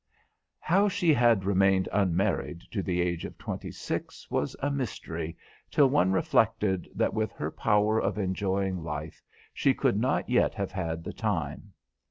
How she had remained unmarried to the age of twenty six was a mystery till one reflected that with her power of enjoying life she could not yet have had the time.